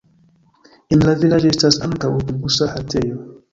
En la vilaĝo estas ankaŭ aŭtobusa haltejo.